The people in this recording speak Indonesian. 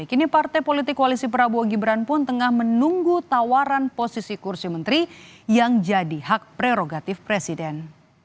kini partai politik koalisi prabowo gibran pun tengah menunggu tawaran posisi kursi menteri yang jadi hak prerogatif presiden